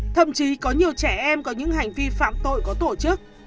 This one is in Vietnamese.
thậm chí có nhiều trẻ em có những hành vi phạm tội có tổ chức